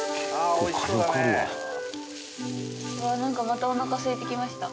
またおなかすいてきました。